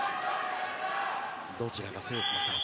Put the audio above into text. どちらが制すのか。